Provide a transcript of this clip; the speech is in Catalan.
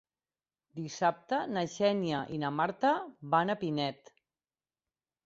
Dissabte na Xènia i na Marta van a Pinet.